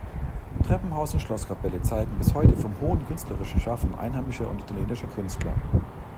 Treppenhaus und Schlosskapelle zeugen bis heute vom hohen künstlerischen Schaffen einheimischer und italienischer Künstler.